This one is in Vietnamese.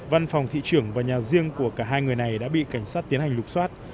văn phòng thị trưởng và nhà riêng của cả hai người này đã bị cảnh sát tiến hành lục xoát